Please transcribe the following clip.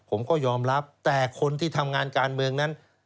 ผมก็ยอมรับแต่คนที่ทำงานการเมืองนั้น